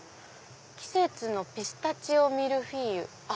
「季節のピスタチオミルフィーユ」。